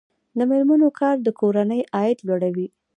د میرمنو کار د کورنۍ عاید لوړوي.